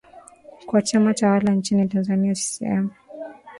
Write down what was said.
kwa chama tawala nchini tanzania ccm